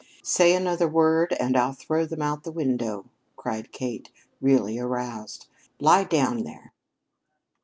"Say another word and I'll throw them out of the window," cried Kate, really aroused. "Lie down there."